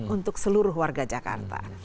untuk seluruh warga jakarta